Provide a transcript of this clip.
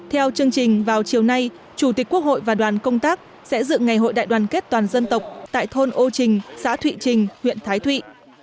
theo chương trình vào chiều nay chủ tịch quốc hội và đoàn công tác sẽ dự ngày hội đại đoàn kết toàn dân tộc tại thôn âu trình xã thụy trình huyện thái thụy